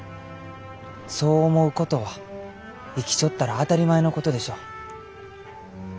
そう思うことは生きちょったら当たり前のことでしょう。